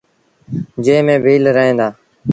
جݩهݩ ميݩ ڀيٚل روهيݩ دآ۔